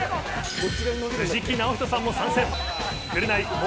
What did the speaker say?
藤木直人さんも参戦。